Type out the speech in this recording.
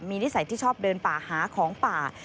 มีนิสัยที่ชอบเดินป่าหาของป่า